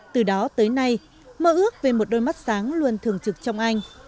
từ đó tới nay mơ ước về một đôi mắt sáng luôn thường trực trong anh